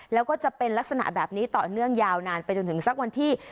แล้วก็จะเป็นลักษณะแบบนี้ต่อเนื่องยาวนานไปจนถึงสักวันที่